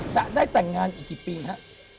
จะได้แต่งงานอีกกี่ปีฮะ